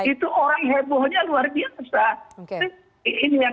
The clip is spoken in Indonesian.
itu orang hebohnya luar biasa